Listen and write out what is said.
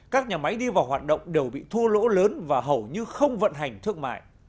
các nhà máy đi vào hoạt động đều bị thua lỗ lớn và hầu như không vận hành thương mại